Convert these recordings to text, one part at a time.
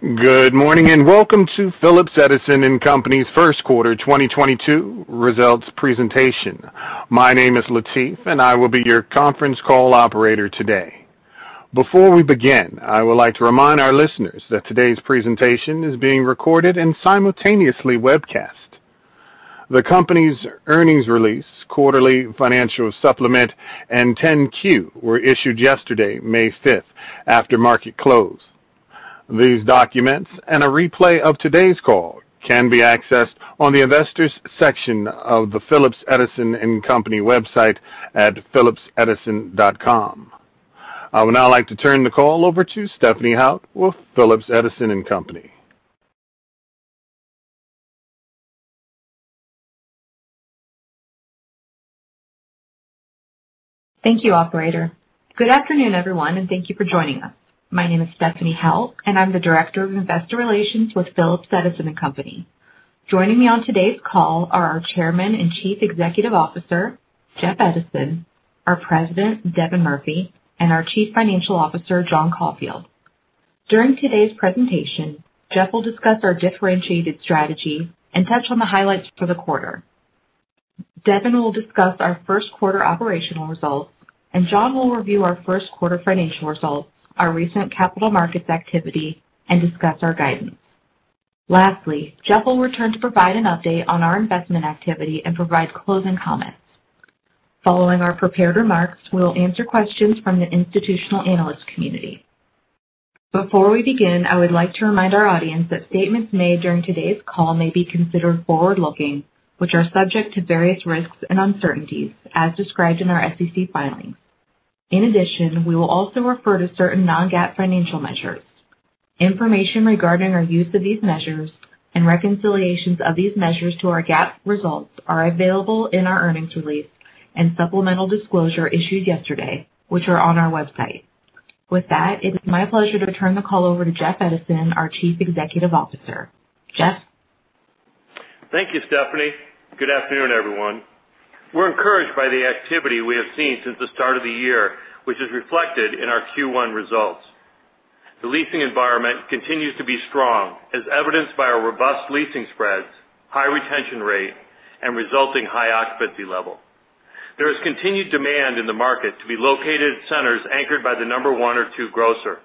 Good morning, and welcome to Phillips Edison & Company's first quarter 2022 results presentation. My name is Latif, and I will be your conference call operator today. Before we begin, I would like to remind our listeners that today's presentation is being recorded and simultaneously webcast. The company's earnings release, quarterly financial supplement, and 10-Q were issued yesterday, May fifth, after market close. These documents and a replay of today's call can be accessed on the Investors section of the Phillips Edison & Company website at phillipsedison.com. I would now like to turn the call over to Stephanie Hout with Phillips Edison & Company. Thank you, Operator. Good afternoon, everyone, and thank you for joining us. My name is Stephanie Hout, and I'm the Director of Investor Relations with Phillips Edison & Company. Joining me on today's call are our Chairman and Chief Executive Officer, Jeff Edison, our President, Devin Murphy, and our Chief Financial Officer, John Caulfield. During today's presentation, Jeff will discuss our differentiated strategy and touch on the highlights for the quarter. Devin will discuss our first quarter operational results, and John will review our first quarter financial results, our recent capital markets activity, and discuss our guidance. Lastly, Jeff will return to provide an update on our investment activity and provide closing comments. Following our prepared remarks, we'll answer questions from the institutional analyst community. Before we begin, I would like to remind our audience that statements made during today's call may be considered forward-looking, which are subject to various risks and uncertainties as described in our SEC filings. In addition, we will also refer to certain Non-GAAP financial measures. Information regarding our use of these measures and reconciliations of these measures to our GAAP results are available in our earnings release and supplemental disclosure issued yesterday, which are on our website. With that, it is my pleasure to turn the call over to Jeff Edison, our Chief Executive Officer. Jeff? Thank you, Stephanie. Good afternoon, everyone. We're encouraged by the activity we have seen since the start of the year, which is reflected in our Q1 results. The leasing environment continues to be strong, as evidenced by our robust leasing spreads, high retention rate, and resulting high occupancy level. There is continued demand in the market to be located at centers anchored by the number one or two grocer.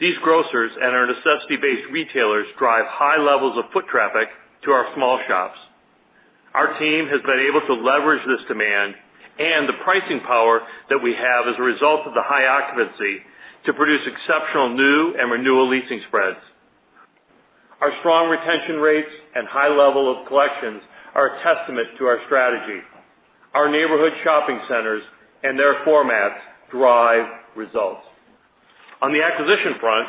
These grocers and our necessity-based retailers drive high levels of foot traffic to our small shops. Our team has been able to leverage this demand and the pricing power that we have as a result of the high occupancy to produce exceptional new and renewal leasing spreads. Our strong retention rates and high level of collections are a testament to our strategy. Our neighborhood shopping centers and their formats drive results. On the acquisition front,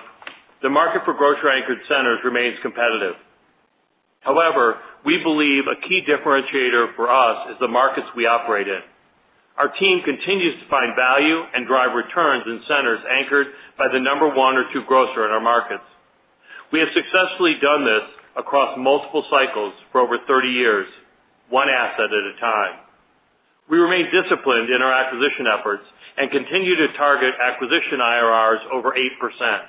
the market for grocery-anchored centers remains competitive. However, we believe a key differentiator for us is the markets we operate in. Our team continues to find value and drive returns in centers anchored by the number one or two grocer in our markets. We have successfully done this across multiple cycles for over 30 years, one asset at a time. We remain disciplined in our acquisition efforts and continue to target acquisition IRRs over 8%.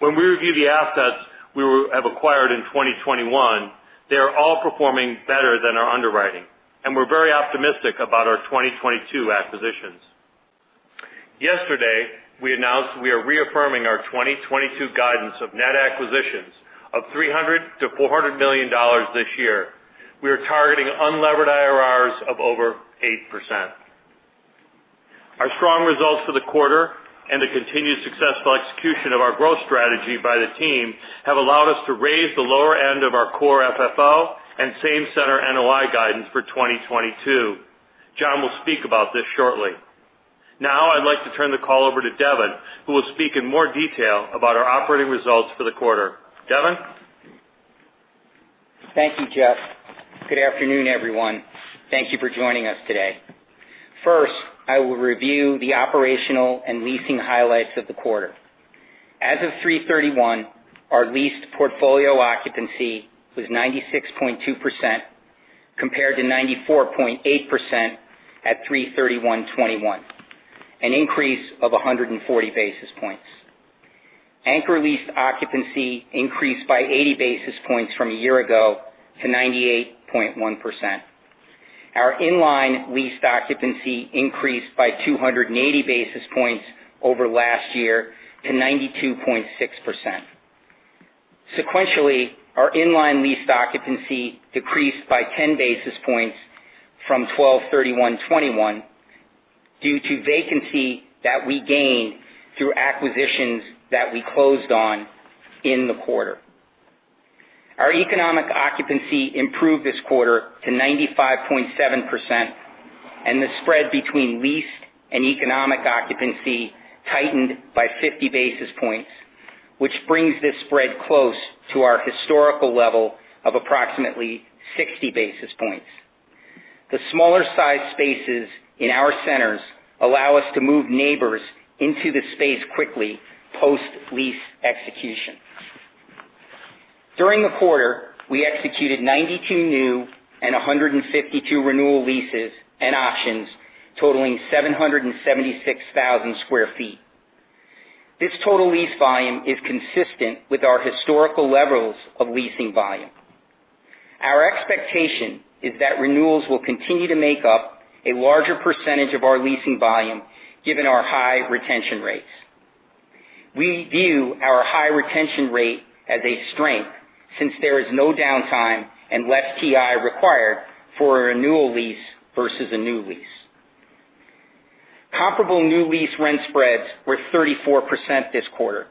When we review the assets we have acquired in 2021, they are all performing better than our underwriting, and we're very optimistic about our 2022 acquisitions. Yesterday, we announced we are reaffirming our 2022 guidance of net acquisitions of $300 million-$400 million this year. We are targeting unlevered IRRs of over 8%. Our strong results for the quarter and the continued successful execution of our growth strategy by the team have allowed us to raise the lower end of our core FFO and same center NOI guidance for 2022. John will speak about this shortly. Now, I'd like to turn the call over to Devin, who will speak in more detail about our operating results for the quarter. Devin? Thank you, Jeff. Good afternoon, everyone. Thank you for joining us today. First, I will review the operational and leasing highlights of the quarter. As of 3/31, our leased portfolio occupancy was 96.2% compared to 94.8% at 3/31/2021, an increase of 140 basis points. Anchor leased occupancy increased by 80 basis points from a year ago to 98.1%. Our in-line leased occupancy increased by 280 basis points over last year to 92.6%. Sequentially, our in-line leased occupancy decreased by 10 basis points from 12/31/2021 due to vacancy that we gained through acquisitions that we closed on in the quarter. Our economic occupancy improved this quarter to 95.7%, and the spread between leased and economic occupancy tightened by 50 basis points, which brings this spread close to our historical level of approximately 60 basis points. The smaller size spaces in our centers allow us to move neighbors into the space quickly post-lease execution. During the quarter, we executed 92 new and 152 renewal leases and options totaling 776,000 sq ft. This total lease volume is consistent with our historical levels of leasing volume. Our expectation is that renewals will continue to make up a larger percentage of our leasing volume, given our high retention rates. We view our high retention rate as a strength since there is no downtime and less TI required for a renewal lease versus a new lease. Comparable new lease rent spreads were 34% this quarter.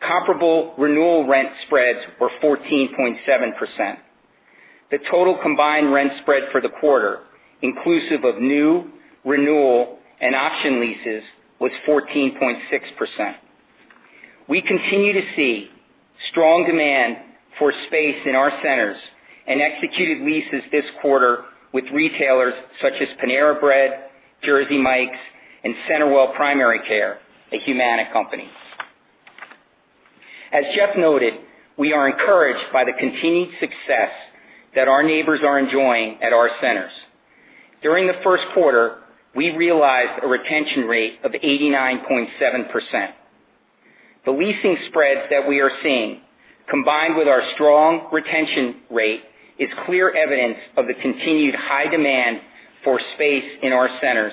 Comparable renewal rent spreads were 14.7%. The total combined rent spread for the quarter, inclusive of new, renewal, and option leases, was 14.6%. We continue to see strong demand for space in our centers and executed leases this quarter with retailers such as Panera Bread, Jersey Mike's, and CenterWell Primary Care, a Humana company. As Jeff noted, we are encouraged by the continued success that our neighbors are enjoying at our centers. During the first quarter, we realized a retention rate of 89.7%. The leasing spreads that we are seeing, combined with our strong retention rate, is clear evidence of the continued high demand for space in our centers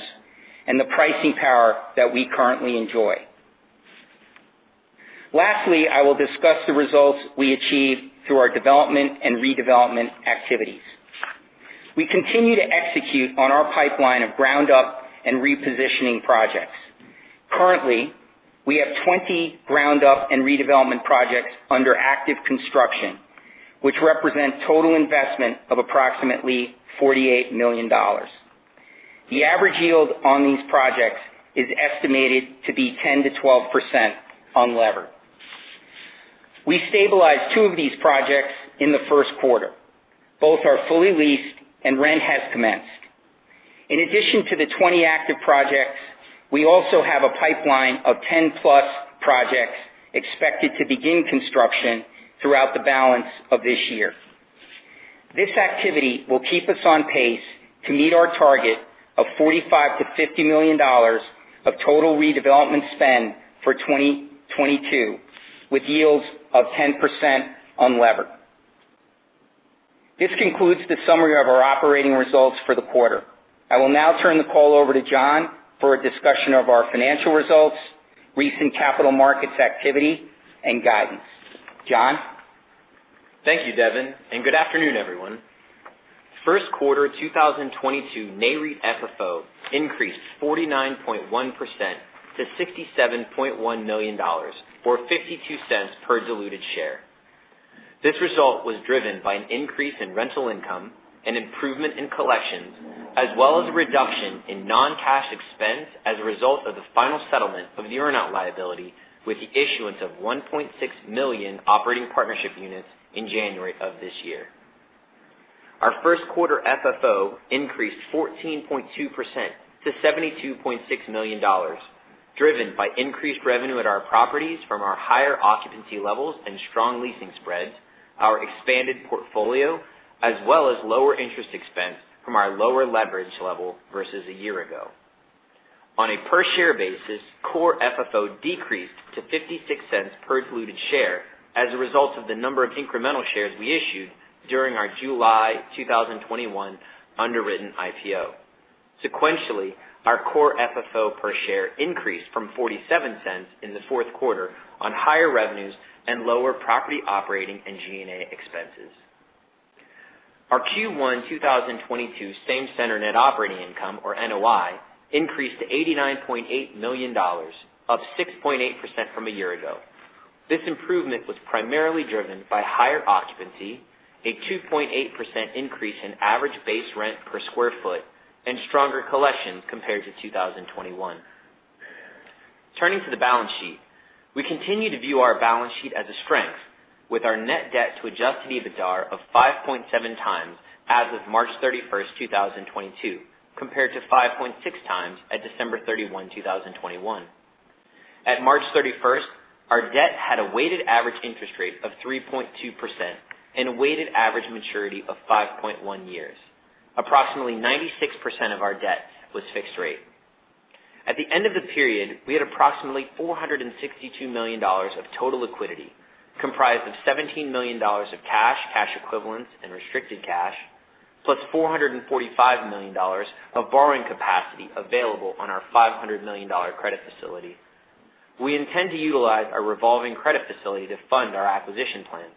and the pricing power that we currently enjoy. Lastly, I will discuss the results we achieved through our development and redevelopment activities. We continue to execute on our pipeline of ground-up and repositioning projects. Currently, we have 20 ground-up and redevelopment projects under active construction, which represent total investment of approximately $48 million. The average yield on these projects is estimated to be 10%-12% unlevered. We stabilized two of these projects in the first quarter. Both are fully leased and rent has commenced. In addition to the 20 active projects, we also have a pipeline of 10+ projects expected to begin construction throughout the balance of this year. This activity will keep us on pace to meet our target of $45 million-$50 million of total redevelopment spend for 2022, with yields of 10% unlevered. This concludes the summary of our operating results for the quarter. I will now turn the call over to John for a discussion of our financial results, recent capital markets activity, and guidance. John? Thank you, Devin, and good afternoon, everyone. First quarter 2022 Nareit FFO increased 49.1% to $67.1 million, or $0.52 per diluted share. This result was driven by an increase in rental income, an improvement in collections, as well as a reduction in non-cash expense as a result of the final settlement of the earnout liability with the issuance of 1.6 million operating partnership units in January of this year. Our first quarter FFO increased 14.2% to $72.6 million, driven by increased revenue at our properties from our higher occupancy levels and strong leasing spreads, our expanded portfolio, as well as lower interest expense from our lower leverage level versus a year ago. On a per-share basis, core FFO decreased to $0.56 per diluted share as a result of the number of incremental shares we issued during our July 2021 underwritten IPO. Sequentially, our core FFO per share increased from $0.47 in the fourth quarter on higher revenues and lower property operating and G&A expenses. Our Q1 2022 same-center net operating income, or NOI, increased to $89.8 million, up 6.8% from a year ago. This improvement was primarily driven by higher occupancy, a 2.8% increase in average base rent per sq ft, and stronger collections compared to 2021. Turning to the balance sheet. We continue to view our balance sheet as a strength, with our net debt to Adjusted EBITDA of 5.7x as of March 31, 2022, compared to 5.6x at December 31, 2021. At March 31, our debt had a weighted average interest rate of 3.2% and a weighted average maturity of 5.1 years. Approximately 96% of our debt was fixed rate. At the end of the period, we had approximately $462 million of total liquidity, comprised of $17 million of cash equivalents, and restricted cash, plus $445 million of borrowing capacity available on our $500 million credit facility. We intend to utilize our revolving credit facility to fund our acquisition plans.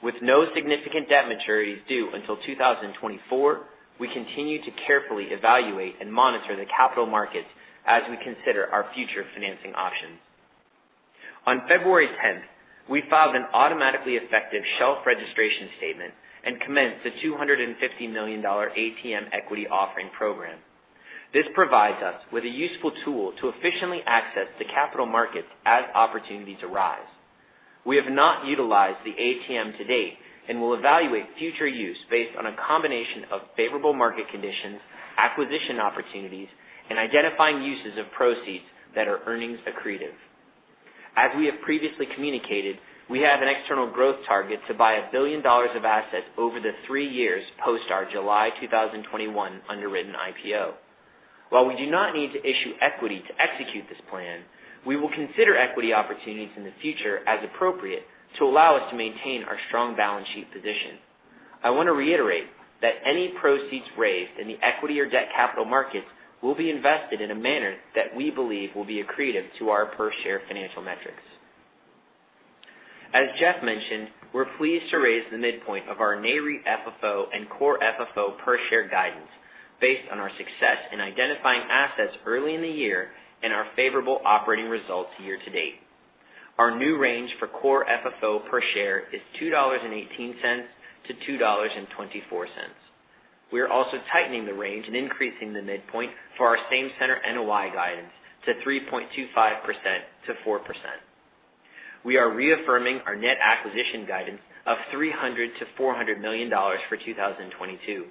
With no significant debt maturities due until 2024, we continue to carefully evaluate and monitor the capital markets as we consider our future financing options. On February 10, we filed an automatically effective shelf registration statement and commenced a $250 million ATM equity offering program. This provides us with a useful tool to efficiently access the capital markets as opportunities arise. We have not utilized the ATM to date and will evaluate future use based on a combination of favorable market conditions, acquisition opportunities and identifying uses of proceeds that are earnings accretive. As we have previously communicated, we have an external growth target to buy $1 billion of assets over the three years post our July 2021 underwritten IPO. While we do not need to issue equity to execute this plan, we will consider equity opportunities in the future as appropriate to allow us to maintain our strong balance sheet position. I want to reiterate that any proceeds raised in the equity or debt capital markets will be invested in a manner that we believe will be accretive to our per share financial metrics. As Jeff mentioned, we're pleased to raise the midpoint of our Nareit FFO and core FFO per share guidance based on our success in identifying assets early in the year and our favorable operating results year to date. Our new range for core FFO per share is $2.18-$2.24. We are also tightening the range and increasing the midpoint for our same center NOI guidance to 3.25%-4%. We are reaffirming our net acquisition guidance of $300 million-$400 million for 2022.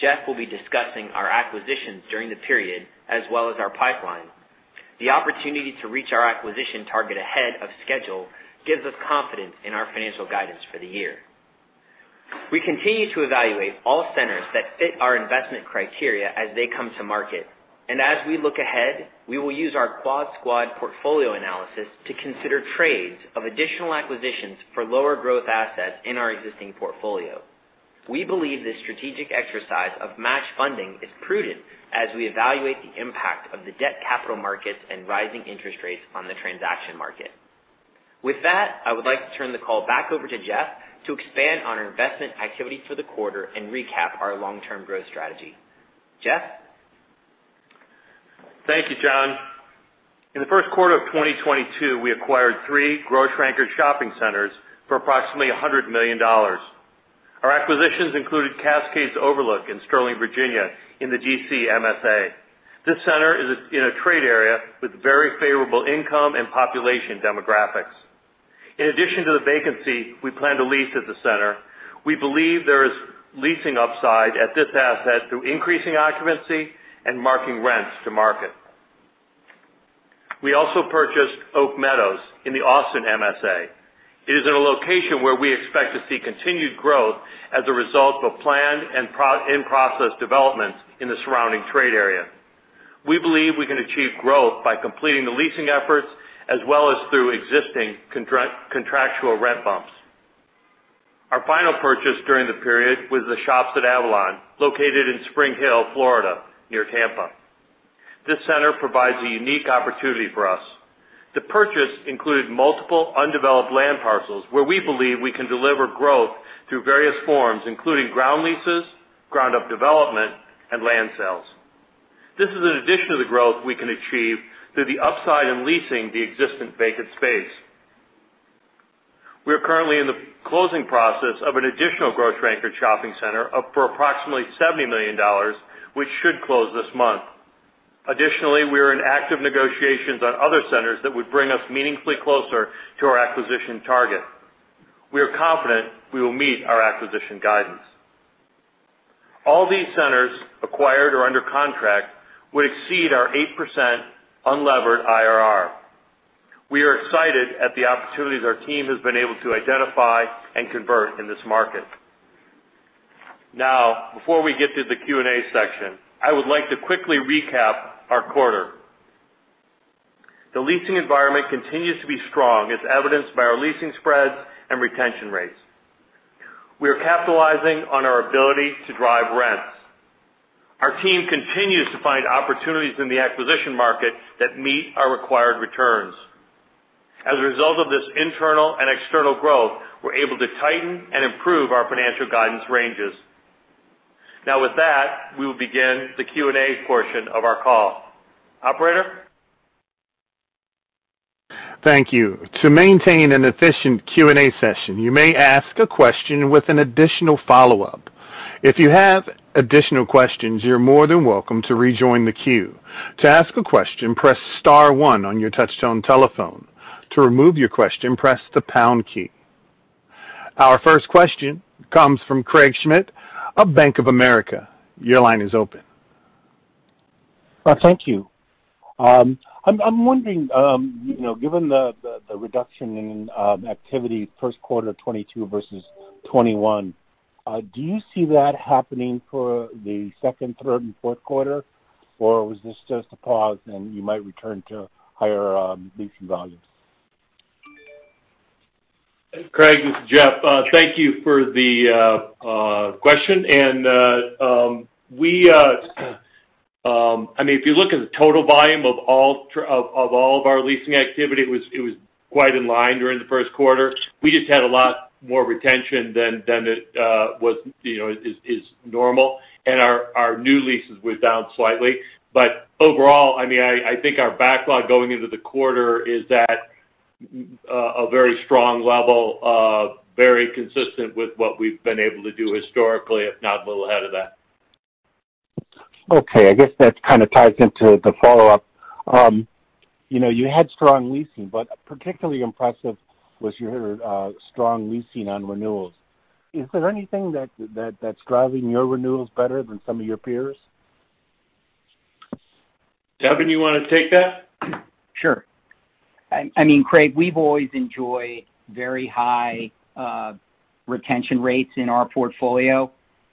Jeff will be discussing our acquisitions during the period as well as our pipeline. The opportunity to reach our acquisition target ahead of schedule gives us confidence in our financial guidance for the year. We continue to evaluate all centers that fit our investment criteria as they come to market. As we look ahead, we will use our Quad Squad portfolio analysis to consider trades of additional acquisitions for lower growth assets in our existing portfolio. We believe this strategic exercise of match funding is prudent as we evaluate the impact of the debt capital markets and rising interest rates on the transaction market. With that, I would like to turn the call back over to Jeff to expand on our investment activity for the quarter and recap our long-term growth strategy. Jeff? Thank you, John. In the first quarter of 2022, we acquired 3 grocery-anchored shopping centers for approximately $100 million. Our acquisitions included Cascades Overlook in Sterling, Virginia, in the D.C. MSA. This center is in a trade area with very favorable income and population demographics. In addition to the vacancy we plan to lease at the center, we believe there is leasing upside at this asset through increasing occupancy and marking rents to market. We also purchased Oak Meadows in the Austin MSA. It is in a location where we expect to see continued growth as a result of planned and in-process developments in the surrounding trade area. We believe we can achieve growth by completing the leasing efforts as well as through existing contractual rent bumps. Our final purchase during the period was The Shops at Avalon, located in Spring Hill, Florida, near Tampa. This center provides a unique opportunity for us. The purchase included multiple undeveloped land parcels where we believe we can deliver growth through various forms, including ground leases, ground-up development, and land sales. This is in addition to the growth we can achieve through the upside in leasing the existing vacant space. We are currently in the closing process of an additional grocery-anchored shopping center up for approximately $70 million, which should close this month. Additionally, we are in active negotiations on other centers that would bring us meaningfully closer to our acquisition target. We are confident we will meet our acquisition guidance. All these centers acquired or under contract would exceed our 8% unlevered IRR. We are excited at the opportunities our team has been able to identify and convert in this market. Now, before we get to the Q&A section, I would like to quickly recap our quarter. The leasing environment continues to be strong as evidenced by our leasing spreads and retention rates. We are capitalizing on our ability to drive rents. Our team continues to find opportunities in the acquisition market that meet our required returns. As a result of this internal and external growth, we're able to tighten and improve our financial guidance ranges. Now with that, we will begin the Q&A portion of our call. Operator? Thank you. To maintain an efficient Q&A session, you may ask a question with an additional follow-up. If you have additional questions, you're more than welcome to rejoin the queue. To ask a question, press star one on your touchtone telephone. To remove your question, press the pound key. Our first question comes from Craig Schmidt of Bank of America. Your line is open. Thank you. I'm wondering, you know, given the reduction in activity first quarter 2022 versus 2021, do you see that happening for the second, third and fourth quarter? Or was this just a pause and you might return to higher leasing values? Craig, this is Jeff. Thank you for the question. I mean, if you look at the total volume of all of our leasing activity, it was quite in line during the first quarter. We just had a lot more retention than it was, you know, is normal, and our new leases were down slightly. Overall, I mean, I think our backlog going into the quarter is at a very strong level, very consistent with what we've been able to do historically, if not a little ahead of that. Okay. I guess that kind of ties into the follow-up. You know, you had strong leasing, but particularly impressive was your strong leasing on renewals. Is there anything that that's driving your renewals better than some of your peers? Devin, you wanna take that? Sure. I mean, Craig, we've always enjoyed very high retention rates in our portfolio.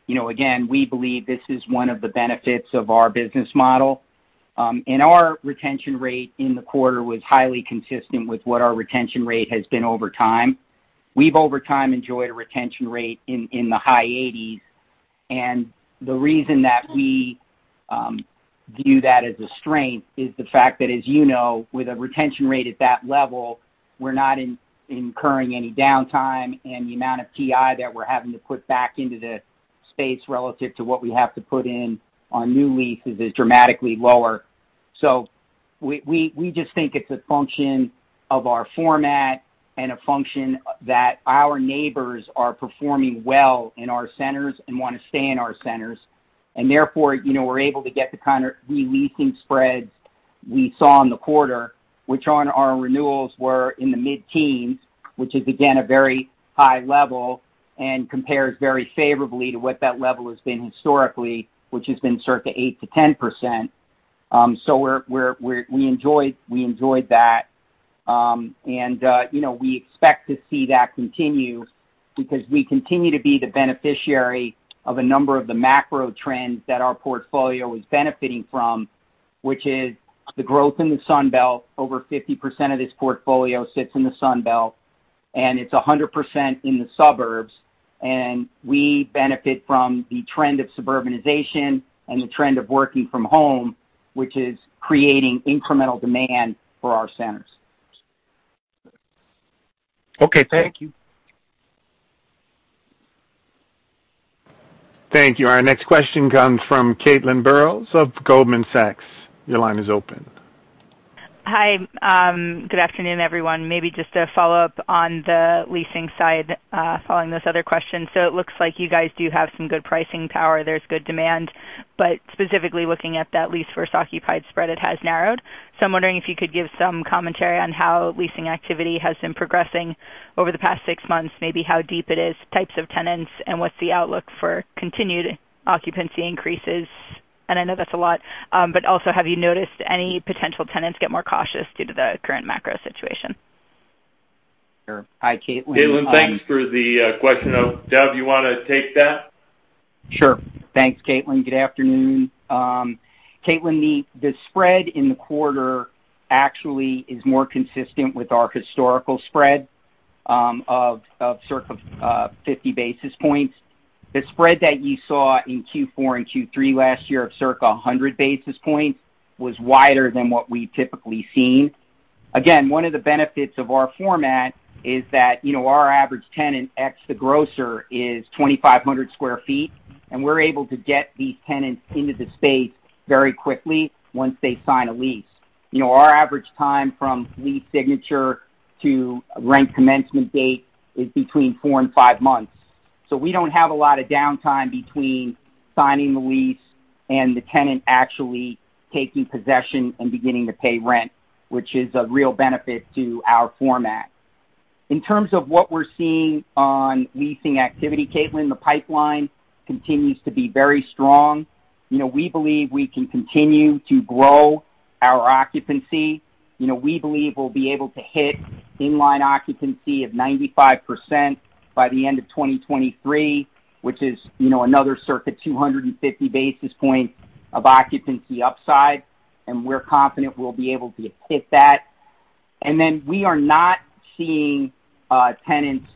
You know, again, we believe this is one of the benefits of our business model. Our retention rate in the quarter was highly consistent with what our retention rate has been over time. We've over time enjoyed a retention rate in the high eighties, and the reason that we view that as a strength is the fact that, as you know, with a retention rate at that level, we're not incurring any downtime, and the amount of TI that we're having to put back into the space relative to what we have to put in on new leases is dramatically lower. We just think it's a function of our format and a function that our neighbors are performing well in our centers and wanna stay in our centers. Therefore, you know, we're able to get the kind of re-leasing spreads we saw in the quarter, which on our renewals were in the mid-teens, which is again a very high level and compares very favorably to what that level has been historically, which has been circa 8%-10%. We enjoyed that. You know, we expect to see that continue because we continue to be the beneficiary of a number of the macro trends that our portfolio is benefiting from, which is the growth in the Sun Belt. Over 50% of this portfolio sits in the Sun Belt, and it's 100% in the suburbs, and we benefit from the trend of suburbanization and the trend of working from home, which is creating incremental demand for our centers. Okay. Thank you. Thank you. Our next question comes from Caitlin Burrows of Goldman Sachs. Your line is open. Hi. Good afternoon, everyone. Maybe just a follow-up on the leasing side, following this other question. It looks like you guys do have some good pricing power. There's good demand, but specifically looking at that lease versus occupied spread, it has narrowed. I'm wondering if you could give some commentary on how leasing activity has been progressing over the past six months, maybe how deep it is, types of tenants, and what's the outlook for continued occupancy increases. I know that's a lot, but also, have you noticed any potential tenants get more cautious due to the current macro situation? Sure. Hi, Caitlin. Caitlin, thanks for the question. Devin, you wanna take that? Sure. Thanks, Caitlin. Good afternoon. Caitlin, the spread in the quarter actually is more consistent with our historical spread of circa 50 basis points. The spread that you saw in Q4 and Q3 last year of circa 100 basis points was wider than what we've typically seen. Again, one of the benefits of our format is that, you know, our average tenant, ex the grocer, is 2,500 sq ft, and we're able to get these tenants into the space very quickly once they sign a lease. You know, our average time from lease signature to rent commencement date is between four and five months. We don't have a lot of downtime between signing the lease and the tenant actually taking possession and beginning to pay rent, which is a real benefit to our format. In terms of what we're seeing on leasing activity, Caitlin, the pipeline continues to be very strong. You know, we believe we can continue to grow our occupancy. You know, we believe we'll be able to hit inline occupancy of 95% by the end of 2023, which is, you know, another circa 250 basis points of occupancy upside, and we're confident we'll be able to hit that. We are not seeing tenants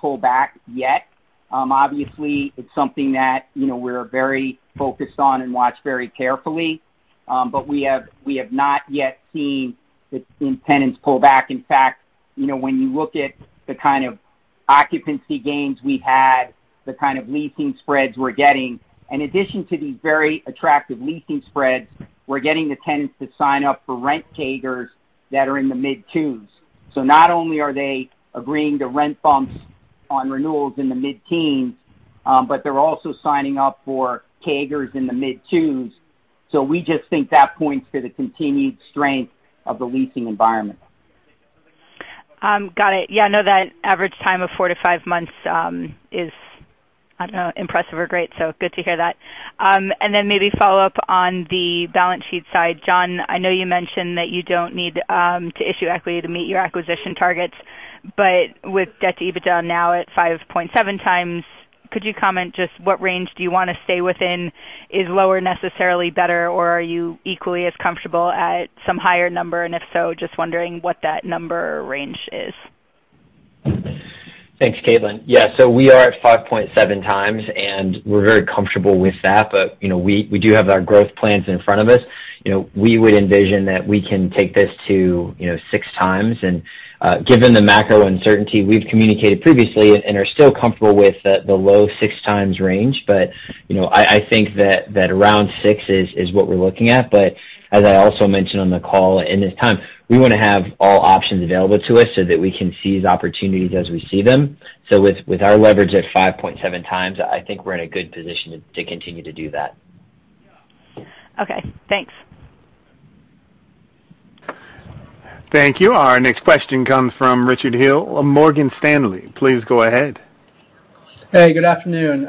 pull back yet. Obviously, it's something that, you know, we're very focused on and watch very carefully. We have not yet seen tenants pull back. In fact, you know, when you look at the kind of occupancy gains we've had, the kind of leasing spreads we're getting, in addition to these very attractive leasing spreads, we're getting the tenants to sign up for rent CAGRs that are in the mid-twos. Not only are they agreeing to rent bumps on renewals in the mid-teens, but they're also signing up for CAGRs in the mid-twos. We just think that points to the continued strength of the leasing environment. Got it. Yeah, I know that average time of 4-5 months is, I don't know, impressive or great, so good to hear that. Maybe follow up on the balance sheet side. John, I know you mentioned that you don't need to issue equity to meet your acquisition targets. With debt-to-EBITDA now at 5.7x, could you comment just what range do you wanna stay within? Is lower necessarily better, or are you equally as comfortable at some higher number? If so, just wondering what that number range is. Thanks, Caitlin. Yeah. We are at 5.7x, and we're very comfortable with that. You know, we do have our growth plans in front of us. You know, we would envision that we can take this to, you know, 6x. Given the macro uncertainty we've communicated previously and are still comfortable with the low 6x range. You know, I think that around 6x is what we're looking at. As I also mentioned on the call, in this time, we wanna have all options available to us so that we can seize opportunities as we see them. With our leverage at 5.7x, I think we're in a good position to continue to do that. Okay, thanks. Thank you. Our next question comes from Richard Hill of Morgan Stanley. Please go ahead. Hey, good afternoon.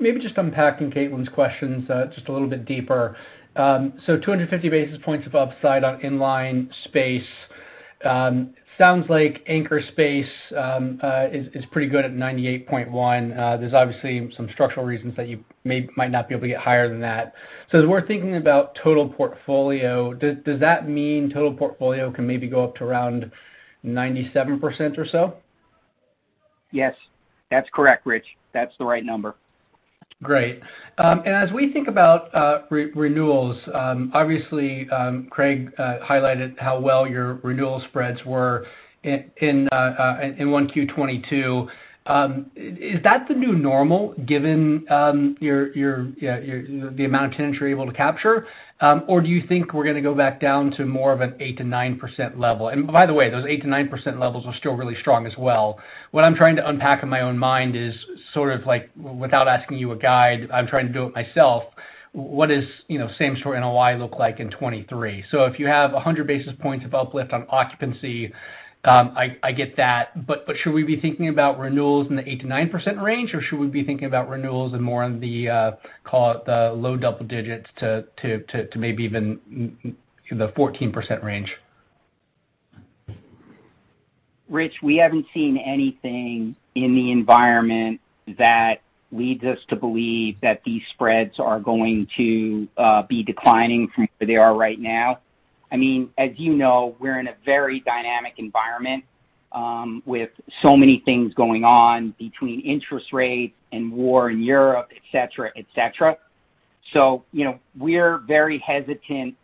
Maybe just unpacking Caitlin's questions, just a little bit deeper. 250 basis points above SOI on inline space. Sounds like anchor space is pretty good at 98.1. There's obviously some structural reasons that you might not be able to get higher than that. As we're thinking about total portfolio, does that mean total portfolio can maybe go up to around 97% or so? Yes. That's correct, Rich. That's the right number. Great. As we think about renewals, obviously, Craig highlighted how well your renewal spreads were in 1Q 2022. Is that the new normal given the amount of tenants you're able to capture? Or do you think we're gonna go back down to more of an 8%-9% level? By the way, those 8%-9% levels are still really strong as well. What I'm trying to unpack in my own mind is sort of like without asking you a guide, I'm trying to do it myself. What is, you know, same store NOI look like in 2023? If you have 100 basis points of uplift on occupancy, I get that. should we be thinking about renewals in the 8%-9% range, or should we be thinking about renewals and more on the, call it the low double digits to maybe even the 14% range? Rich, we haven't seen anything in the environment that leads us to believe that these spreads are going to be declining from where they are right now. I mean, as you know, we're in a very dynamic environment, with so many things going on between interest rates and war in Europe, et cetera, et cetera. You know, we're very hesitant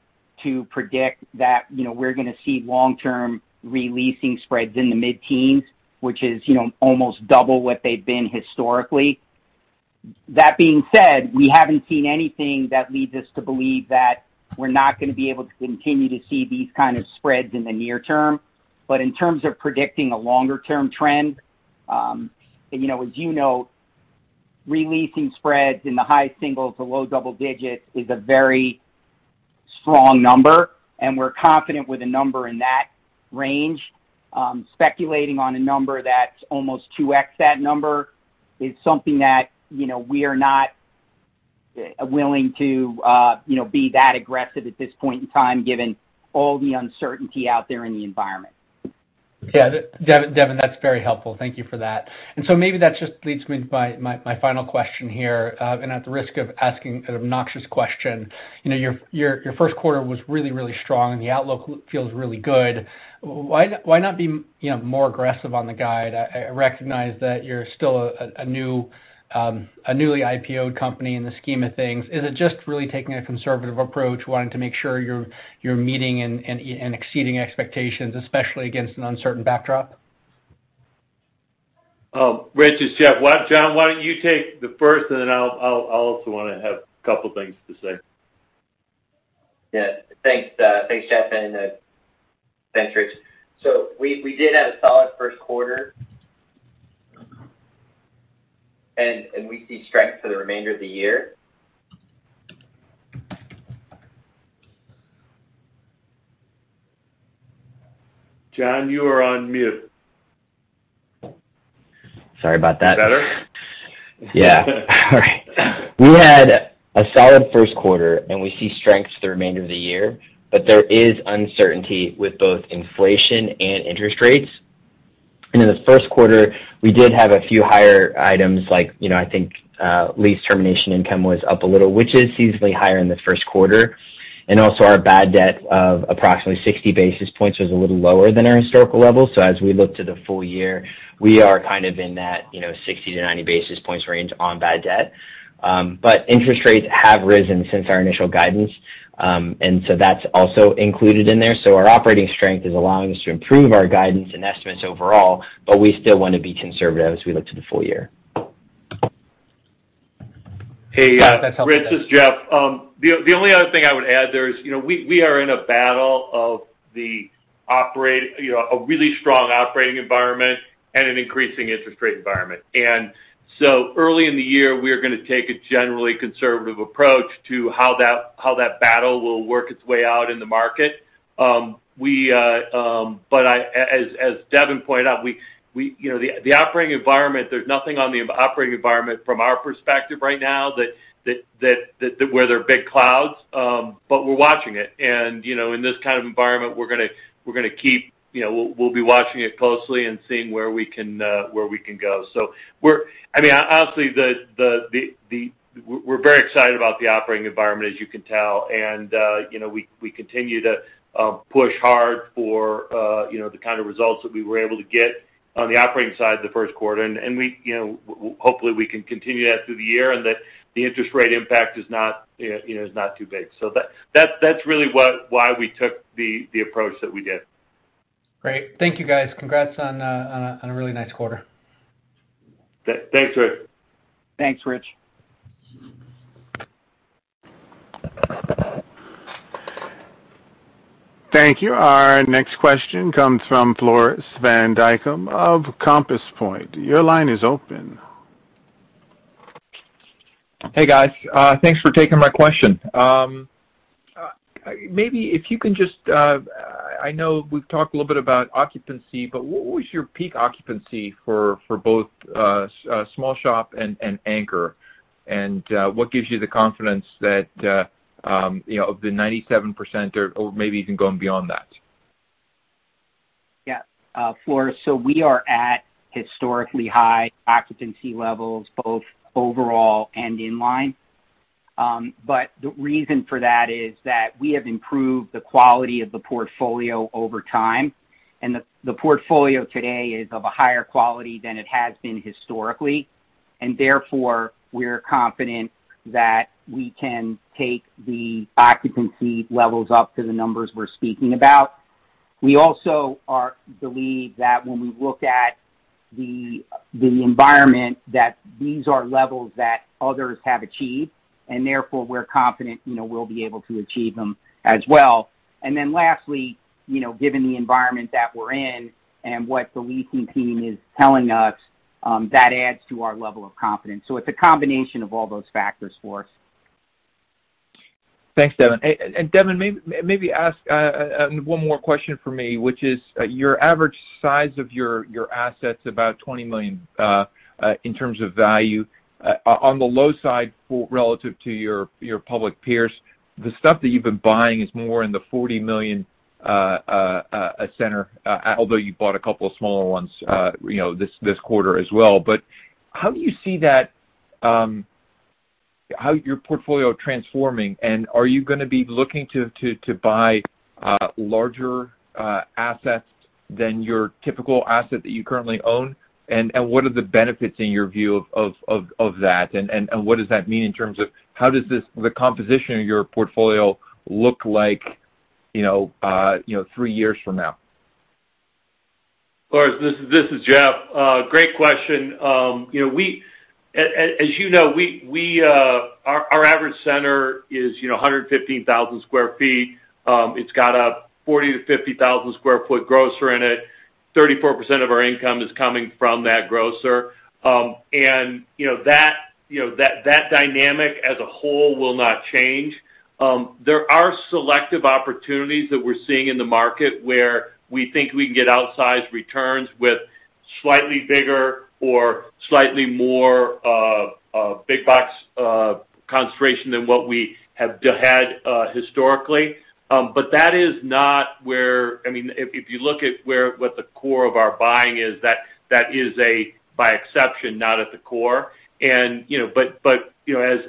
to predict that, you know, we're gonna see long-term re-leasing spreads in the mid-teens, which is, you know, almost double what they've been historically. That being said, we haven't seen anything that leads us to believe that we're not gonna be able to continue to see these kind of spreads in the near term. In terms of predicting a longer term trend, you know, as you know, re-leasing spreads in the high singles to low double digits is a very strong number, and we're confident with a number in that range. Speculating on a number that's almost 2x that number is something that, you know, we are not willing to, you know, be that aggressive at this point in time, given all the uncertainty out there in the environment. Yeah. Devin, that's very helpful. Thank you for that. Maybe that just leads me to my final question here. At the risk of asking an obnoxious question, you know, your first quarter was really strong, and the outlook feels really good. Why not be, you know, more aggressive on the guide? I recognize that you're still a newly IPO'd company in the scheme of things. Is it just really taking a conservative approach, wanting to make sure you're meeting and exceeding expectations, especially against an uncertain backdrop? Oh, Rich, it's Jeff. John, why don't you take the first and then I'll also wanna have a couple things to say. Yeah. Thanks. Thanks, Jeff, and thanks, Richard. We did have a solid first quarter. We see strength for the remainder of the year. John, you are on mute. Sorry about that. Is that better? Yeah. All right. We had a solid first quarter, and we see strength for the remainder of the year, but there is uncertainty with both inflation and interest rates. In the first quarter, we did have a few higher items like, you know, I think, lease termination income was up a little, which is seasonally higher in the first quarter. Also our bad debt of approximately 60 basis points was a little lower than our historical level. As we look to the full year, we are kind of in that, you know, 60-90 basis points range on bad debt. Interest rates have risen since our initial guidance, and so that's also included in there. Our operating strength is allowing us to improve our guidance and estimates overall, but we still wanna be conservative as we look to the full year. Hey, Rich, it's Jeff. The only other thing I would add there is, you know, we are in a battle between a really strong operating environment and an increasing interest rate environment. Early in the year, we are gonna take a generally conservative approach to how that battle will work its way out in the market. As Devin pointed out, you know, the operating environment, there's nothing in the operating environment from our perspective right now that there are big clouds, but we're watching it. In this kind of environment, we're gonna keep, you know, we'll be watching it closely and seeing where we can go. I mean, honestly, we're very excited about the operating environment, as you can tell. You know, we continue to push hard for you know, the kind of results that we were able to get on the operating side the first quarter. You know, hopefully, we can continue that through the year and that the interest rate impact is not you know, too big. That's really why we took the approach that we did. Great. Thank you, guys. Congrats on a really nice quarter. Thanks, Rich. Thanks, Rich. Thank you. Our next question comes from Floris van Dijkum of Compass Point. Your line is open. Hey, guys. Thanks for taking my question. Maybe if you can just, I know we've talked a little bit about occupancy, but what was your peak occupancy for both small shop and anchor? What gives you the confidence that you know of the 97% or maybe even going beyond that? Yeah. Floris, we are at historically high occupancy levels, both overall and in line. The reason for that is that we have improved the quality of the portfolio over time, and the portfolio today is of a higher quality than it has been historically. Therefore, we're confident that we can take the occupancy levels up to the numbers we're speaking about. We also believe that when we look at the environment, that these are levels that others have achieved, and therefore, we're confident, you know, we'll be able to achieve them as well. Lastly, you know, given the environment that we're in and what the leasing team is telling us, that adds to our level of confidence. It's a combination of all those factors for us. Thanks, Devin. Devin maybe ask one more question for me, which is, your average size of your assets about $20 million in terms of value on the low side relative to your public peers. The stuff that you've been buying is more in the $40 million center, although you bought a couple of smaller ones, you know, this quarter as well. How do you see that, how your portfolio transforming? And are you gonna be looking to buy larger assets than your typical asset that you currently own? And what are the benefits in your view of that? What does that mean in terms of how the composition of your portfolio look like, you know, you know, three years from now? Floris, this is Jeff. Great question. You know, as you know, our average center is 115,000 sq ft. It's got a 40,000-50,000 sq ft grocer in it. 34% of our income is coming from that grocer. You know, that dynamic as a whole will not change. There are selective opportunities that we're seeing in the market where we think we can get outsized returns with slightly bigger or slightly more big box concentration than what we have had historically. That is not where I mean. If you look at where what the core of our buying is, that is a by exception, not at the core. You know, but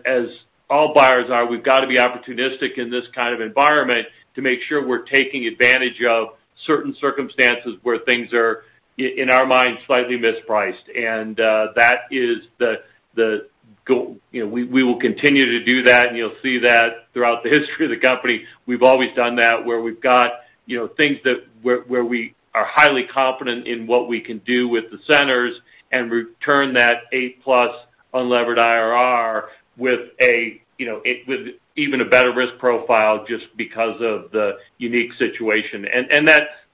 as all buyers are, we've got to be opportunistic in this kind of environment to make sure we're taking advantage of certain circumstances where things are in our minds, slightly mispriced. That is. We will continue to do that, and you'll see that throughout the history of the company. We've always done that, where we've got, you know, things that where we are highly confident in what we can do with the centers and return that 8+ unlevered IRR with a, you know, with even a better risk profile just because of the unique situation.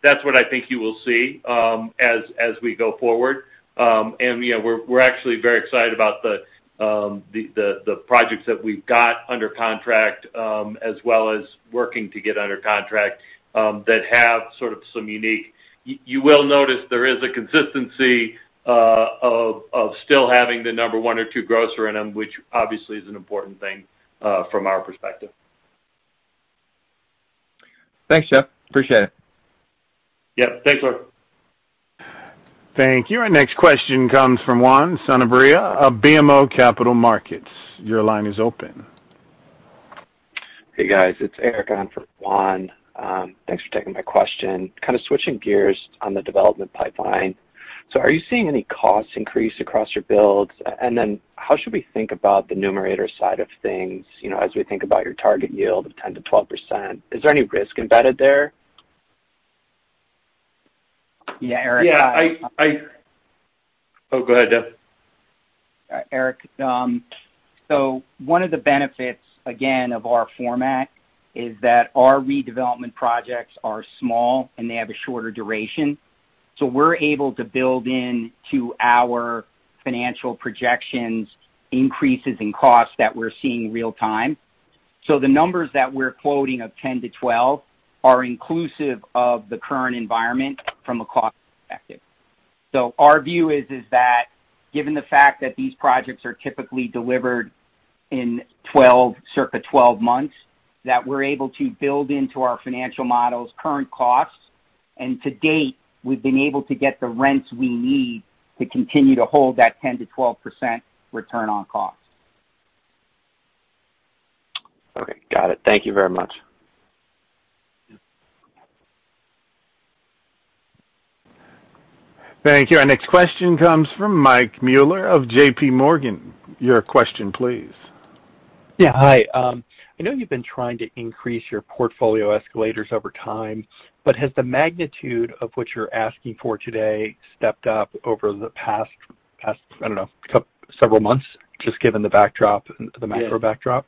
That's what I think you will see, as we go forward. You know, we're actually very excited about the projects that we've got under contract, as well as working to get under contract, that have sort of some unique. You will notice there is a consistency of still having the number one or two grocer in them, which obviously is an important thing from our perspective. Thanks, Jeff. Appreciate it. Yeah, thanks, Floris. Thank you. Our next question comes from Juan Sanabria of BMO Capital Markets. Your line is open. Hey, guys. It's Eric on for Juan. Thanks for taking my question. Kind of switching gears on the development pipeline. Are you seeing any cost increase across your builds? How should we think about the numerator side of things, you know, as we think about your target yield of 10%-12%? Is there any risk embedded there? Yeah, Eric. Yeah. Oh, go ahead, Devin. Eric, one of the benefits again of our format is that our redevelopment projects are small, and they have a shorter duration. We're able to build into our financial projections increases in costs that we're seeing real time. The numbers that we're quoting of 10%-12% are inclusive of the current environment from a cost perspective. Our view is that given the fact that these projects are typically delivered in 12, circa 12 months, that we're able to build into our financial models current costs. To date, we've been able to get the rents we need to continue to hold that 10%-12% return on cost. Okay, got it. Thank you very much. Yeah. Thank you. Our next question comes from Mike Mueller of JPMorgan. Your question, please. Yeah. Hi. I know you've been trying to increase your portfolio escalators over time, but has the magnitude of what you're asking for today stepped up over the past? I don't know, several months, just given the backdrop, the macro backdrop.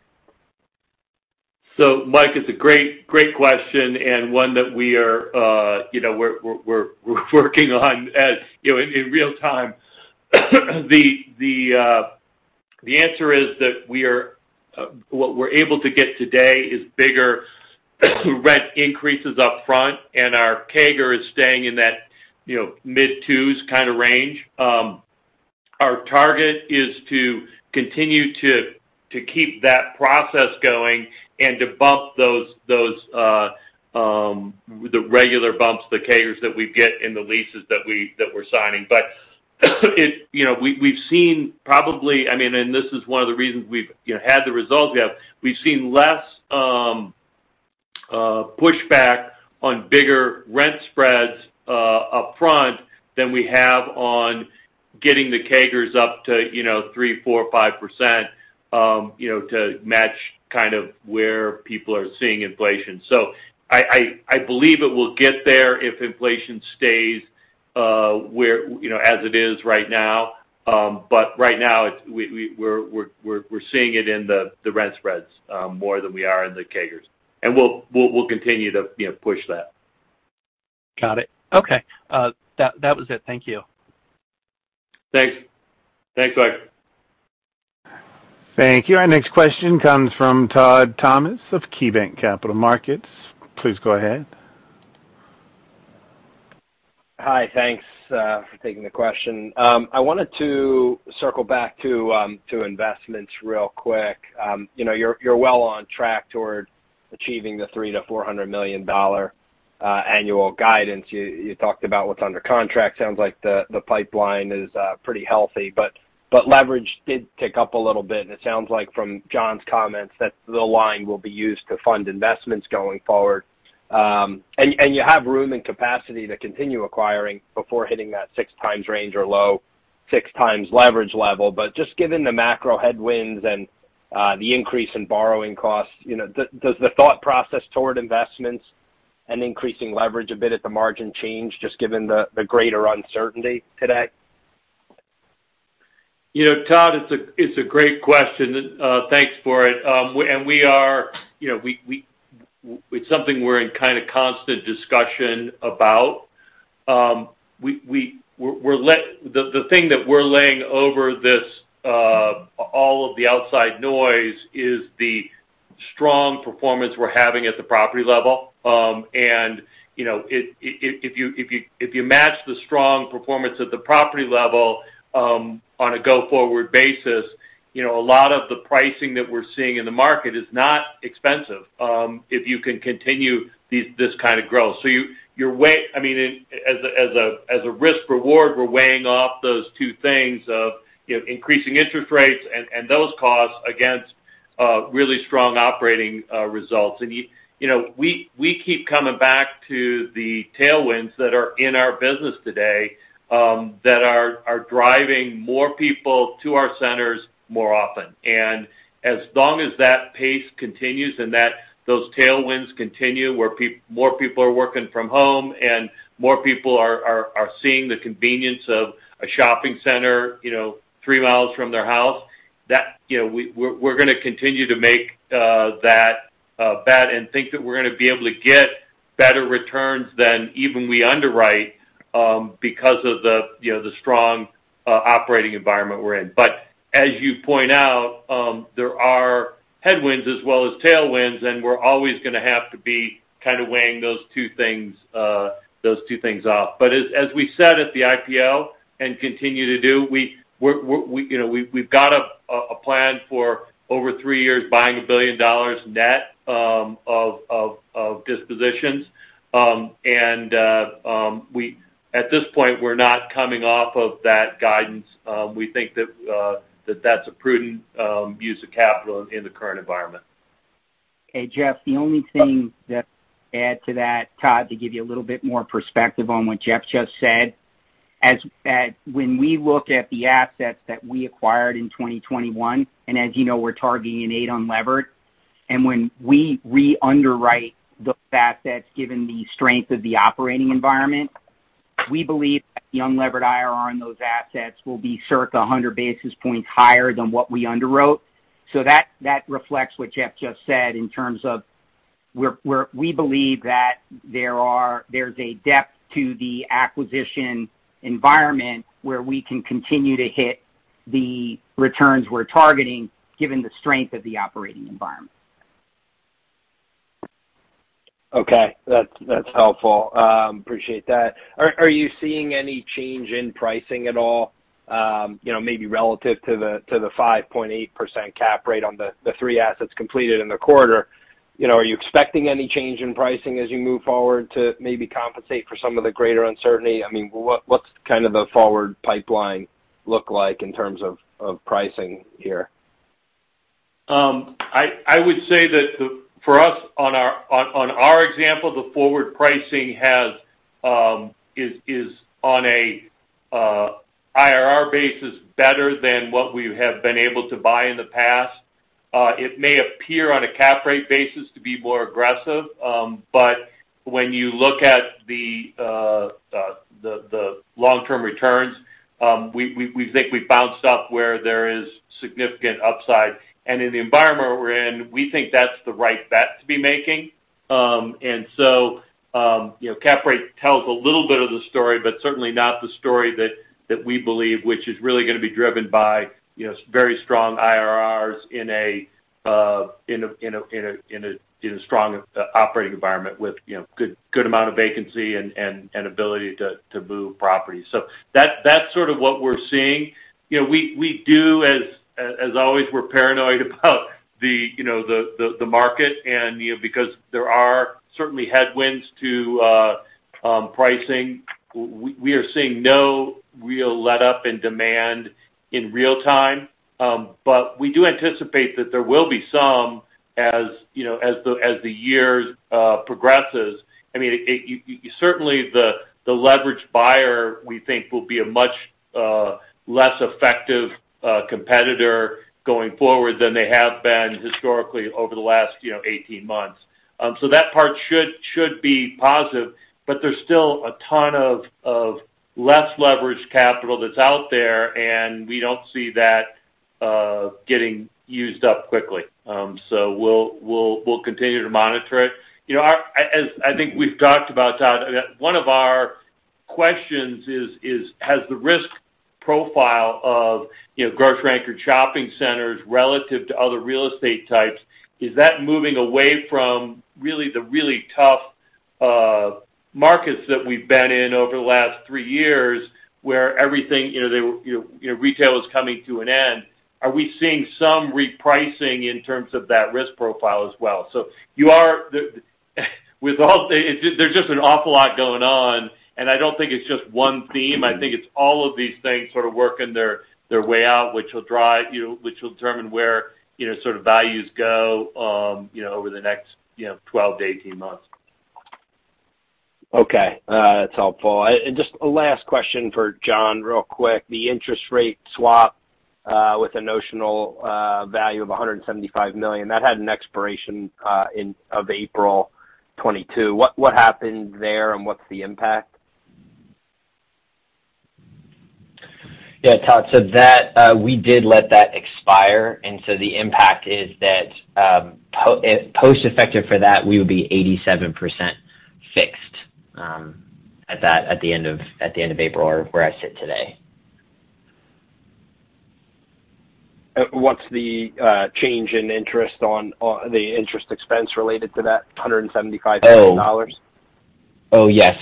Mike, it's a great question, and one that we are, you know, we're working on as, you know, in real time. The answer is that we are, what we're able to get today is bigger rent increases upfront, and our CAGR is staying in that, you know, mid-2% kinda range. Our target is to continue to keep that process going and to bump those the regular bumps, the CAGRs that we get in the leases that we're signing. You know, we've seen probably. I mean, this is one of the reasons we've, you know, had the results we have. We've seen less pushback on bigger rent spreads upfront than we have on getting the CAGRs up to, you know, 3%, 4%, 5%, to match kind of where people are seeing inflation. I believe it will get there if inflation stays where, you know, as it is right now. Right now, we're seeing it in the rent spreads more than we are in the CAGRs. We'll continue to, you know, push that. Got it. Okay. That was it. Thank you. Thanks. Thanks, Mike. Thank you. Our next question comes from Todd Thomas of KeyBanc Capital Markets. Please go ahead. Hi. Thanks for taking the question. I wanted to circle back to investments real quick. You know, you're well on track toward achieving the $300 million-$400 million annual guidance. You talked about what's under contract. Sounds like the pipeline is pretty healthy. Leverage did tick up a little bit, and it sounds like from John's comments that the line will be used to fund investments going forward. You have room and capacity to continue acquiring before hitting that 6x range or low 6x leverage level. Just given the macro headwinds and the increase in borrowing costs, you know, does the thought process toward investments and increasing leverage a bit at the margin change just given the greater uncertainty today? You know, Todd, it's a great question, and thanks for it. It's something we're in kind of constant discussion about. The thing that we're laying over this all of the outside noise is the strong performance we're having at the property level. If you match the strong performance at the property level on a go-forward basis, you know, a lot of the pricing that we're seeing in the market is not expensive if you can continue this kind of growth. I mean, as a risk reward, we're weighing off those two things of increasing interest rates and those costs against really strong operating results. You know, we keep coming back to the tailwinds that are in our business today, that are driving more people to our centers more often. As long as that pace continues and those tailwinds continue, more people are working from home and more people are seeing the convenience of a shopping center, you know, three miles from their house, that, you know, we're gonna continue to make that bet and think that we're gonna be able to get better returns than even we underwrite, because of the, you know, the strong operating environment we're in. As you point out, there are headwinds as well as tailwinds, and we're always gonna have to be kind of weighing those two things off. As we said at the IPO and continue to do, you know, we've got a plan for over three years buying $1 billion net of dispositions. At this point, we're not coming off of that guidance. We think that that's a prudent use of capital in the current environment. Jeff, the only thing I'd add to that, Todd, to give you a little bit more perspective on what Jeff just said. When we look at the assets that we acquired in 2021, and as you know, we're targeting an 8% unlevered, and when we re-underwrite those assets given the strength of the operating environment, we believe that the unlevered IRR on those assets will be circa 100 basis points higher than what we underwrote. That reflects what Jeff just said in terms of we believe that there's a depth to the acquisition environment where we can continue to hit the returns we're targeting given the strength of the operating environment. Okay. That's helpful. Appreciate that. Are you seeing any change in pricing at all, you know, maybe relative to the 5.8% cap rate on the 3 assets completed in the quarter? You know, are you expecting any change in pricing as you move forward to maybe compensate for some of the greater uncertainty? I mean, what's kind of the forward pipeline look like in terms of pricing here? I would say that for us, on our example, the forward pricing is on a IRR basis better than what we have been able to buy in the past. It may appear on a cap rate basis to be more aggressive. When you look at the long-term returns, we think we've bounced up where there is significant upside. In the environment we're in, we think that's the right bet to be making. You know, cap rate tells a little bit of the story, but certainly not the story that we believe, which is really gonna be driven by, you know, very strong IRRs in a strong operating environment with, you know, good amount of vacancy and ability to move property. That's sort of what we're seeing. You know, we do as always, we're paranoid about the market and, you know, because there are certainly headwinds to pricing. We are seeing no real letup in demand in real time. We do anticipate that there will be some as, you know, as the years progresses. I mean, you certainly, the leveraged buyer, we think will be a much less effective competitor going forward than they have been historically over the last, you know, 18 months. So that part should be positive, but there's still a ton of less leveraged capital that's out there, and we don't see that getting used up quickly. So we'll continue to monitor it. You know, our, as I think we've talked about, Todd, one of our questions is, has the risk profile of, you know, grocery-anchored shopping centers relative to other real estate types, is that moving away from really the tough markets that we've been in over the last 3 years, where everything, you know, retail is coming to an end. Are we seeing some repricing in terms of that risk profile as well? There's just an awful lot going on, and I don't think it's just one theme. I think it's all of these things sort of working their way out, which will drive, you know, which will determine where, you know, sort of values go, you know, over the next 12-18 months. Okay, that's helpful. Just a last question for John, real quick. The interest rate swap with a notional value of $175 million that had an expiration of April 2022. What happened there, and what's the impact? Yeah, Todd, we did let that expire, and the impact is that post effective for that, we would be 87% fixed at the end of April or where I sit today. What's the change in interest expense related to that $175 million? Oh. Oh, yeah.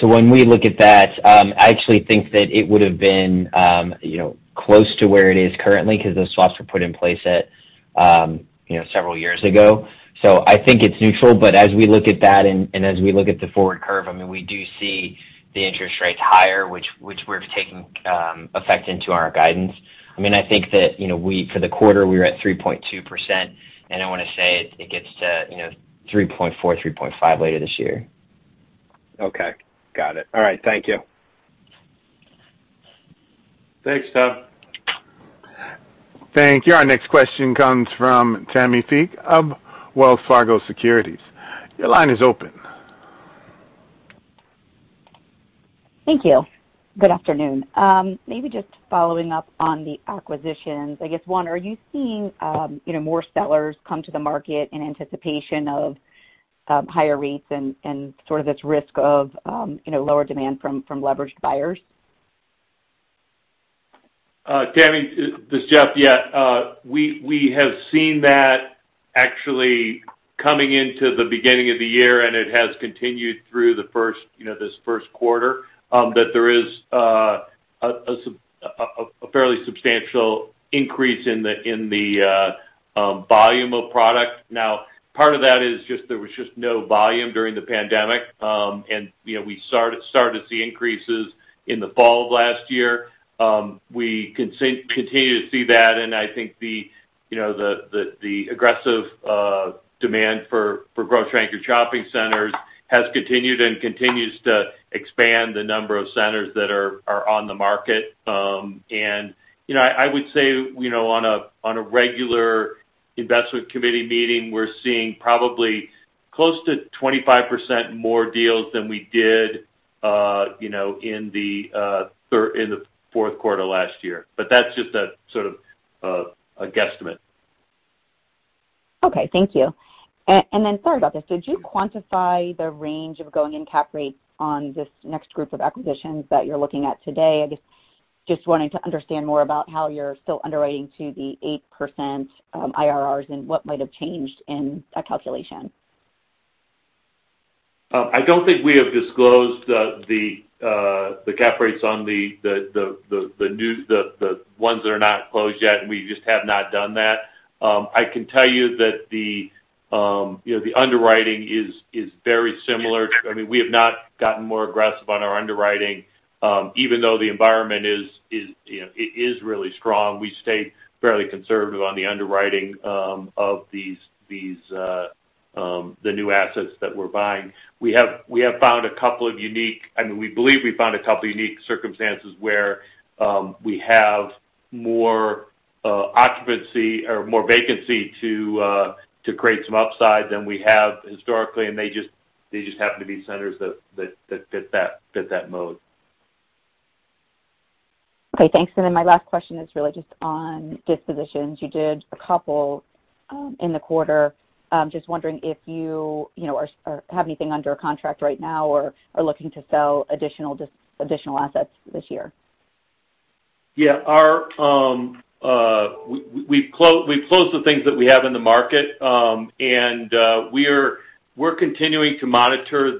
When we look at that, I actually think that it would have been, you know, close to where it is currently because those swaps were put in place at, you know, several years ago. I think it's neutral. As we look at that and as we look at the forward curve, I mean, we do see the interest rates higher, which we're taking effect into our guidance. I mean, I think that, you know, for the quarter, we were at 3.2%, and I wanna say it gets to, you know, 3.4%, 3.5% later this year. Okay. Got it. All right. Thank you. Thanks, Todd. Thank you. Our next question comes from Tammi Fique of Wells Fargo Securities. Your line is open. Thank you. Good afternoon. Maybe just following up on the acquisitions. I guess one, are you seeing, you know, more sellers come to the market in anticipation of, higher rates and sort of this risk of, you know, lower demand from leveraged buyers? Tammi, this is Jeff. Yeah. We have seen that actually coming into the beginning of the year, and it has continued through the first, you know, this first quarter, that there is a fairly substantial increase in the volume of product. Now, part of that is just there was just no volume during the pandemic. You know, we started to see increases in the fall of last year. We continue to see that, and I think you know, the aggressive demand for grocery-anchored shopping centers has continued and continues to expand the number of centers that are on the market. I would say, you know, on a regular investment committee meeting, we're seeing probably close to 25% more deals than we did, you know, in the fourth quarter last year. That's just a sort of guesstimate. Okay, thank you. Sorry about this. Did you quantify the range of going-in cap rate on this next group of acquisitions that you're looking at today? I guess, just wanting to understand more about how you're still underwriting to the 8% IRRs and what might have changed in that calculation. I don't think we have disclosed the cap rates on the new ones that are not closed yet. We just have not done that. I can tell you that you know the underwriting is very similar. I mean, we have not gotten more aggressive on our underwriting. Even though the environment is you know it is really strong, we stay fairly conservative on the underwriting of these new assets that we're buying. We have found a couple of unique. I mean, we believe we found a couple unique circumstances where we have more occupancy or more vacancy to create some upside than we have historically, and they just happen to be centers that fit that mode. Okay, thanks. Then my last question is really just on dispositions. You did a couple in the quarter. Just wondering if you know, have anything under a contract right now or are looking to sell additional assets this year. We've closed the things that we have in the market, and we're continuing to monitor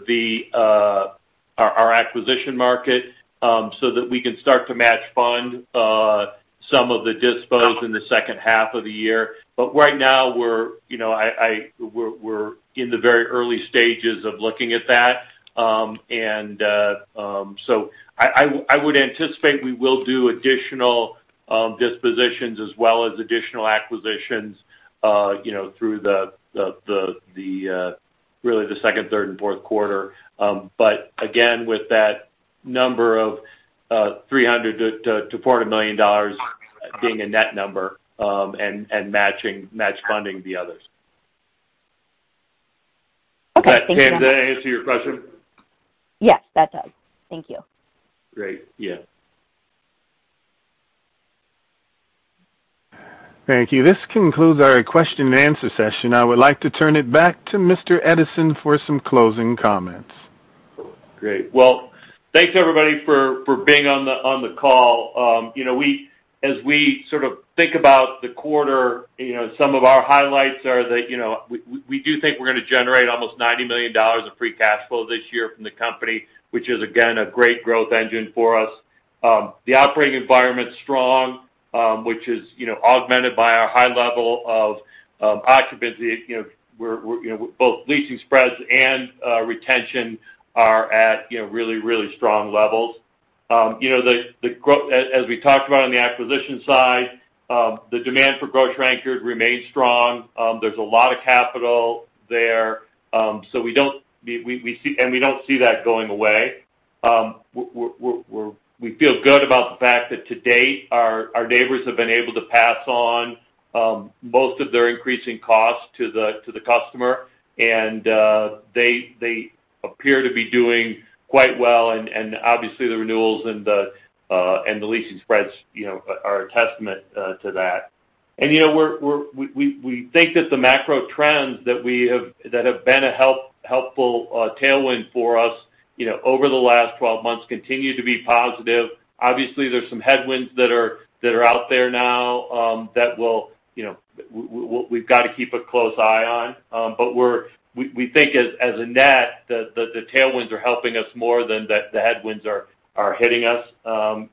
our acquisition market so that we can start to match fund some of the dispositions in the second half of the year. Right now, you know, we're in the very early stages of looking at that. I would anticipate we will do additional dispositions as well as additional acquisitions, you know, through really the second, third, and fourth quarter. Again, with that number of $300 million-$400 million being a net number, and match funding the others. Okay, thanks. Does that answer your question? Yes, that does. Thank you. Great, yeah. Thank you. This concludes our question and answer session. I would like to turn it back to Mr. Edison for some closing comments. Great. Well, thanks, everybody for being on the call. You know, as we sort of think about the quarter, you know, some of our highlights are that, you know, we do think we're gonna generate almost $90 million of free cash flow this year from the company, which is again, a great growth engine for us. The operating environment's strong, which is, you know, augmented by our high level of occupancy. You know, we're you know, both leasing spreads and retention are at, you know, really strong levels. You know, as we talked about on the acquisition side, the demand for grocery-anchored remains strong. There's a lot of capital there, so we see and we don't see that going away. We feel good about the fact that to date, our neighbors have been able to pass on most of their increasing costs to the customer, and they appear to be doing quite well and obviously the renewals and the leasing spreads, you know, are a testament to that. You know, we think that the macro trends that have been a helpful tailwind for us, you know, over the last 12 months continue to be positive. Obviously, there's some headwinds that are out there now that will, you know, we've gotta keep a close eye on. We think as a net that the tailwinds are helping us more than the headwinds are hitting us.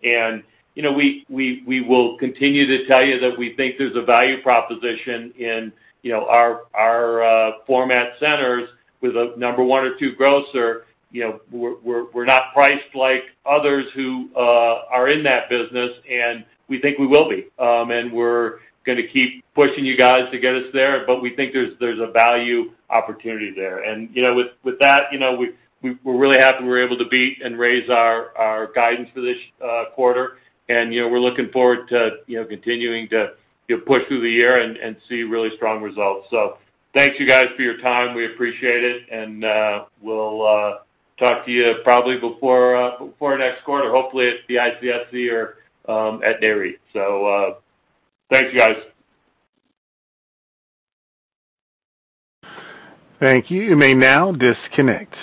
You know, we will continue to tell you that we think there's a value proposition in, you know, our format centers with a number one or two grocer. You know, we're not priced like others who are in that business, and we think we will be. We're gonna keep pushing you guys to get us there, but we think there's a value opportunity there. You know, with that, you know, we're really happy we were able to beat and raise our guidance for this quarter. You know, we're looking forward to, you know, continuing to push through the year and see really strong results. Thank you guys for your time. We appreciate it, and we'll talk to you probably before next quarter. Hopefully, at the ICSC or at Nareit. Thanks, guys. Thank you. You may now disconnect.